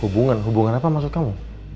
hubungan hubungan apa maksud kamu